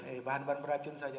eh bahan bahan beracun saja